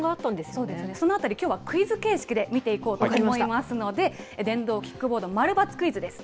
そうですね、そのあたり、きょうはクイズ形式で見ていこうと思いますので、電動キックボード〇×クイズです。